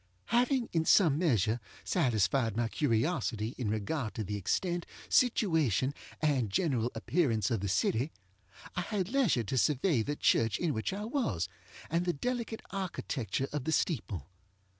Having, in some measure, satisfied my curiosity in regard to the extent, situation, and general appearance of the city, I had leisure to survey the church in which I was, and the delicate architecture of the steeple.